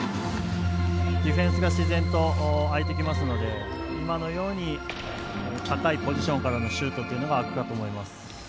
ディフェンスが自然と空いてきますので今のように高いポジションからのシュートがいいと思います。